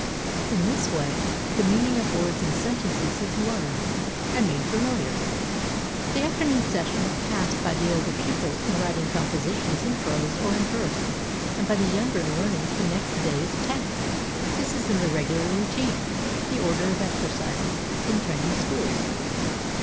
In this way, the meaning of words and sentences is learned and made familiar. The afternoon session is passed by the older pupils in writing compositions in prose or in verse, and by the younger in learning the next day's task. This is the regular routine, the order of exercises, in Chinese schools.